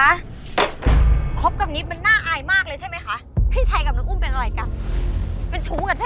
ที่คบกับนี้มันน่าอายมากเลยใช่ไหมคะ